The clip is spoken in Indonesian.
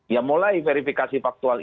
ya mulai verifikasi faktual